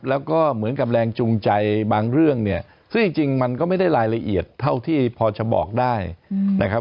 แล้วก็เหมือนกับแรงจูงใจบางเรื่องเนี่ยซึ่งจริงมันก็ไม่ได้รายละเอียดเท่าที่พอจะบอกได้นะครับ